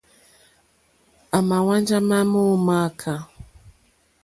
À mà hwánjá ŋmá mó mááká.